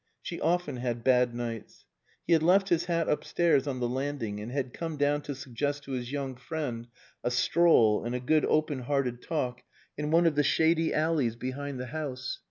She often had bad nights. He had left his hat upstairs on the landing and had come down to suggest to his young friend a stroll and a good open hearted talk in one of the shady alleys behind the house.